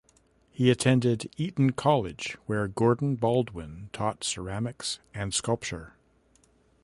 He attended Eton College where Gordon Baldwin taught ceramics and sculpture.